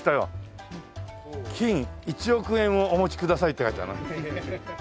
金１億円をお持ちくださいって書いてあるな。